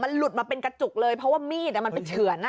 หลุดมาเป็นกระจุกเลยเพราะว่ามีดมันไปเฉือน